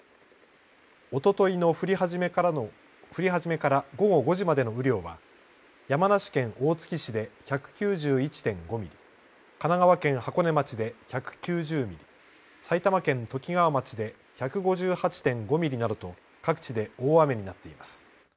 おとといの降り始めから午後５時までの雨量は山梨県大月市で１９１．５ミリ、神奈川県箱根町で１９０ミリ、埼玉県ときがわ町で１５８．５ミリなどと各地で大雨になっています。